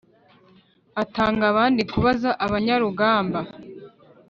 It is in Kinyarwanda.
Atanga abandi kubaza abanyarugamba